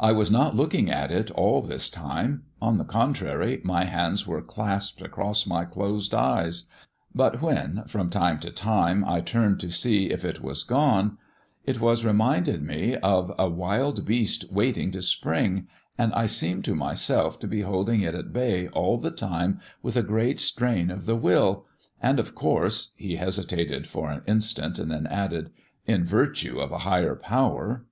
I was not looking at it all this time on the contrary, my hands were clasped across my closed eyes; but when from time to time I turned to see if it was gone, it was reminded me of a wild beast waiting to spring, and I seemed to myself to be holding it at bay all the time with a great strain of the will, and, of course" he hesitated for an instant, and then added "in virtue of a higher power."